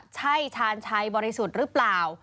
ใช่ชาญชัยบริสุทธิ์หรือเปล่า